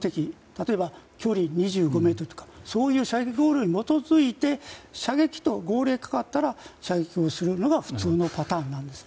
例えば、距離２５ｍとかそういう射撃号令に基づいて射撃の号令がかかったら射撃をするのが普通のパターンなんですね。